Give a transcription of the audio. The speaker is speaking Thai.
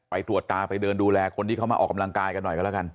ไปตรวจตาไปเดินดูแลคนที่เขามาออกกำลังกายกันหน่อยกันแล้วกัน